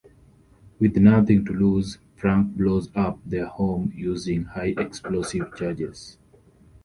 With nothing to lose, Frank blows up their home using high-explosive charges.